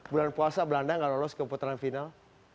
bulan puasa belanda nggak lolos ke putaran final